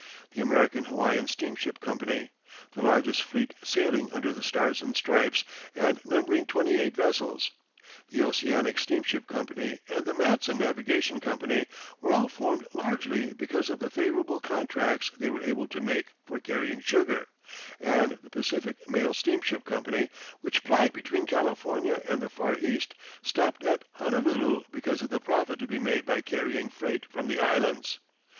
The American Hawaiian Steamship Company the largest fleet sailing under the Stars and Stripes and numbering twenty eight vessels the Oceanic Steamship Company, and the Matson Navigation Company, were all formed largely because of the favourable contracts they were able to make for carrying sugar, and the Pacific Mail Steamship Company, which plied between California and the Far East, stopped at Honolulu because of the profit to be made by carrying freight from the Islands.